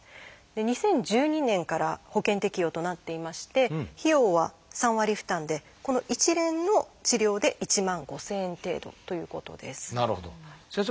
２０１２年から保険適用となっていまして費用は３割負担でこの一連の治療で１万５，０００円程度ということです。